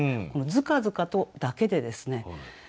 この「づかづかと」だけでですね